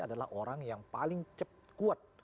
adalah orang yang paling kuat